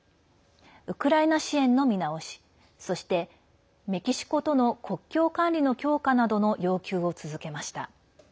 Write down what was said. ウクライナ支援の見直しそして、メキシコとの国境管理の強化などの要求を続けました。